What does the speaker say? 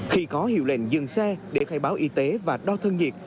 khi có hiệu lệnh dừng xe để khai báo y tế và đo thân nhiệt